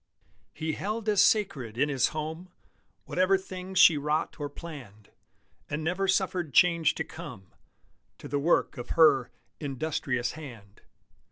He held as sacred in his home Whatever things she wrought or planned, And never suffered change to come To the work of her "industrious hand."